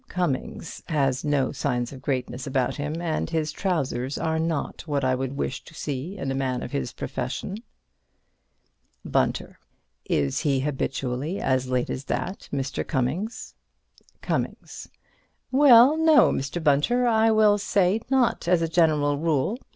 Cummings has no signs of greatness about him, and his trousers are not what I would wish to see in a man of his profession.) Bunter: Is he habitually as late as that, Mr. Cummings? Cummings: Well, no, Mr. Bunter, I will say, not as a general rule.